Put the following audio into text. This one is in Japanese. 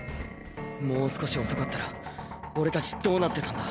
もう少し遅かったら俺たちどうなってたんだ？